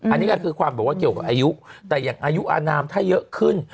อันนี้ก็คือความบอกว่าเกี่ยวกับอายุแต่อย่างอายุอนามถ้าเยอะขึ้น